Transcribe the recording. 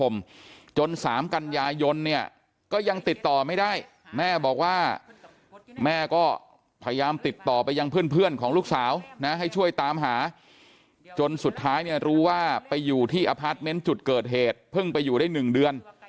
จนเพื่อนของลูกสาวนะให้ช่วยตามหาจนสุดท้ายเนี่ยรู้ว่าไปอยู่ที่อพาร์ทเมนต์จุดเกิดเหตุเพิ่งไปอยู่ได้๑เดือน